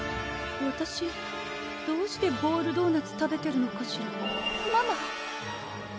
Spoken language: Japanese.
わたしどうしてボールドーナツ食べてるのかしらママ？